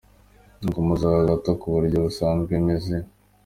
Yakomozaga gato ku buryo basanze meze.